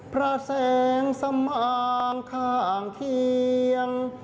พระแสงสม่างข้ามทิศ